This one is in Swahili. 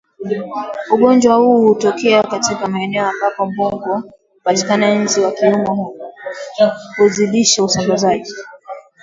Ugonjwa huu hutokea katika maeneo ambapo mbungo hupatikana Nzi wa kuuma huzidisha usambaaji